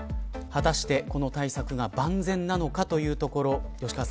果たして、この対策が万全なのかというところ。